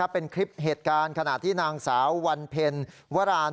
โปรดติดตามตอนต่อไป